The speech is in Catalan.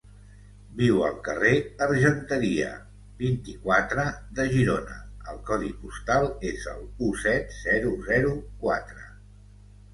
Viu al carrer Argenteria, vint-i-quatre, de Girona; el codi postal és el u set zero zero quatre.